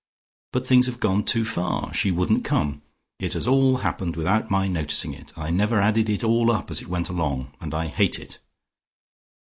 But things have gone too far; she wouldn't come. It has all happened without my noticing it. I never added it all up as it went along, and I hate it."